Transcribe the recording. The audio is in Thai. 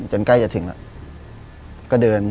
ใกล้จะถึงแล้วก็เดิน